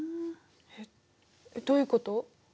えっ？どういうこと？